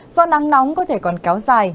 do nắng nóng có thể còn kéo dài